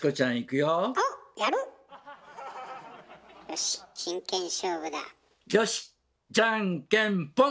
よしじゃんけんぽん！